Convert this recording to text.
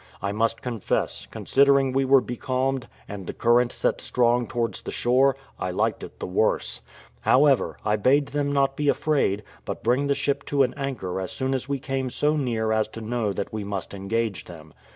I must confess, considering we were becalmed, and the current set strong towards the shore, I liked it the worse; however, I bade them not be afraid, but bring the ship to an anchor as soon as we came so near as to know that we must engage them.